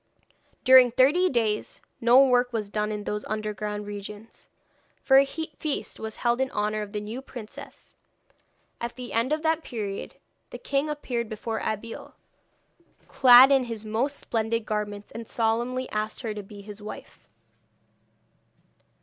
During thirty days no work was done in those underground regions, for a feast was held in honour of the new princess. At the end of that period, the king appeared before Abeille, clad in his most splendid garments, and solemnly asked her to be his wife.